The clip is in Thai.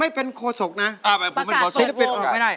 ให้ผมทำอะไรนะครูนายข้าว